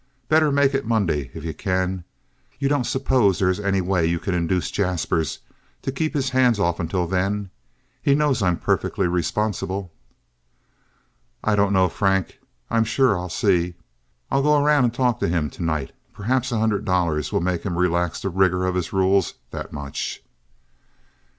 Better make it Monday if you can. You don't suppose there is any way you can induce Jaspers to keep his hands off until then? He knows I'm perfectly responsible." "I don't know, Frank, I'm sure; I'll see. I'll go around and talk to him to night. Perhaps a hundred dollars will make him relax the rigor of his rules that much."